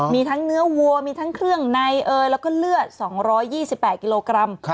มีทั้งเนื้อวัวมีทั้งเครื่องในแล้วก็เลือด๒๒๘กิโลกรัม